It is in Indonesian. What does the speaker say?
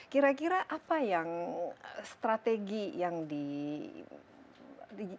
kira kira apa yang strategi yang di implementasi lah ucok